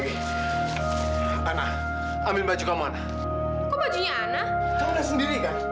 kenapa kamu tinggal di tempat ini